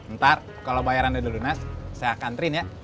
ntar kalau bayarannya dulu nas saya akan rin ya